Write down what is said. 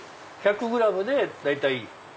１００ｇで大体。